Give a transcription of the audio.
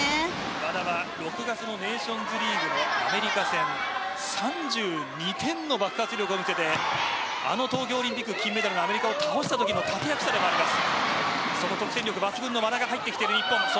和田は６月のネーションズリーグのアメリカ戦３２点の爆発力を見せて東京オリンピック金メダルのアメリカを倒したときの立役者でもあります。